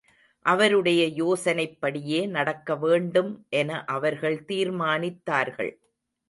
அவருடைய யோசனைப்படியே நடக்க வேண்டும் என அவர்கள் தீர்மானித்தார்கள்.